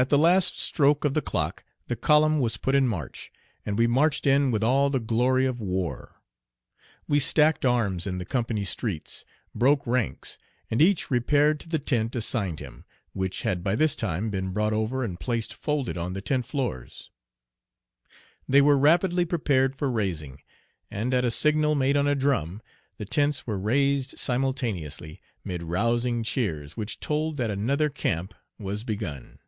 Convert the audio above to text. At the last stroke of the clock the column was put in march, and we marched in with all the "glory of war." We stacked arms in the company streets, broke ranks, and each repaired to the tent assigned him, which had by this time been brought over and placed folded on the tent floors. They were rapidly prepared for raising, and at a signal made on a drum the tents were raised simultaneously, 'mid rousing cheers, which told that another "camp" was begun.